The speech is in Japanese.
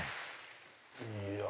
いや。